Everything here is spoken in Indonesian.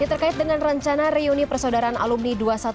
terkait dengan rencana reuni persaudaraan alumni dua ratus dua belas